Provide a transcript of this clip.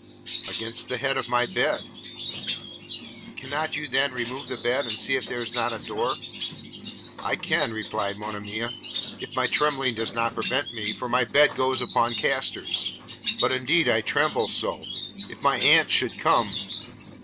'Against the head of my bed.' 'Cannot you then remove the bed, and see if there is not a door?' 'I can,' replied Monimia, 'if my trembling does not prevent me, for my bed goes upon casters; but indeed I tremble so! if my aunt should come!'